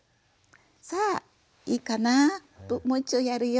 さあいいかなもう一度やるよ。